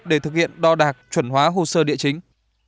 để thực hiện đo đạc chuẩn hóa hồ sơ địa chính